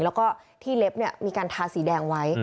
แล้วก็ที่เล็บมีการทาสีแดงไว้